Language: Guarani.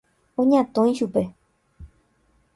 Oñatõi chupe.